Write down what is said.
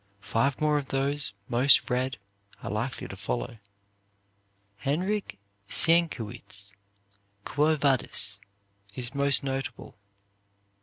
Five more of those most read are likely to follow. Henryk Sienkiewicz's "Quo Vadis" is most notable.